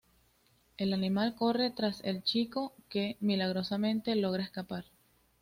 El animal corre tras el chico, que milagrosamente logra escapar.